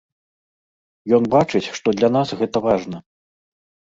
Ён бачыць, што для нас гэта важна.